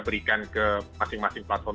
berikan ke masing masing platform